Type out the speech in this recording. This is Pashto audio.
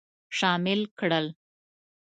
شامل کړل.